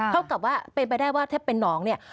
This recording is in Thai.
เท่ากับว่าเป็นไปได้ว่าถ้าเป็นน้องเนี่ย